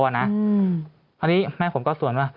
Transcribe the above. อันนี้แม่ผมก็ส่วนว่า